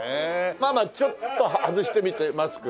ママちょっと外してみてマスク。